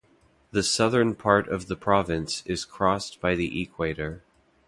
The southern part of the province is crossed by the Equator.